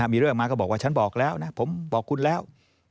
มีเรื่องมาก็บอกว่าฉันบอกแล้วนะผมบอกคุณแล้ว